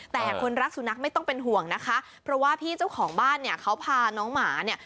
แต่คนรักสุนัขไม่ต้องเป็นห่วงนะคะเพราะว่าพี่เจ้าของบ้านเนี่ยเขาพาน้องหมาเนี่ย